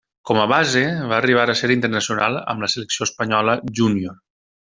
Com a base, va arribar a ser internacional amb la selecció Espanyola Júnior.